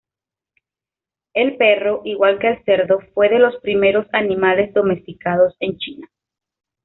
El perro, igual que el cerdo fue de los primeros animales domesticados en China.